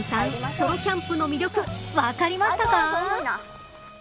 ソロキャンプの魅力分かりました